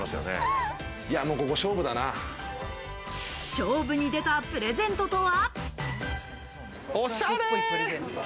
勝負に出たプレゼントとは？